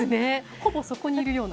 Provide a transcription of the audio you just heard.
ほぼ、そこにいるような。